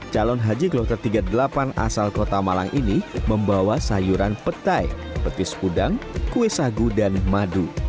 calon haji kloter tiga puluh delapan asal kota malang ini membawa sayuran petai petis udang kue sagu dan madu